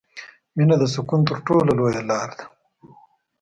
• مینه د سکون تر ټولو لویه لاره ده.